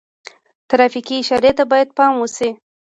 ترافیکي اشارې ته باید پام وشي.